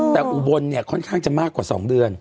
แต่อุบลเนี่ยค่อนข้างจะมากกว่า๒เดือน